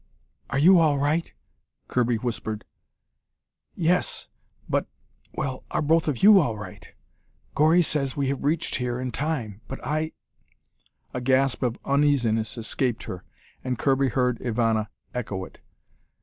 "Are you all right?" Kirby whispered. "Yes. But Well, are both of you all right? Gori says we have reached here in time, but I " A gasp of uneasiness escaped her, and Kirby heard Ivana echo it.